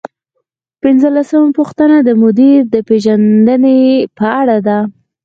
پنځلسمه پوښتنه د مدیر د پیژندنې په اړه ده.